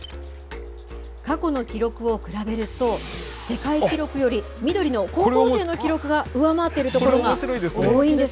過去の記録を比べると、世界記録より緑の高校生の記録が上回っているところが多いんです